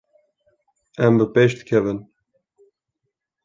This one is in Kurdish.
Em bi pêş dikevin.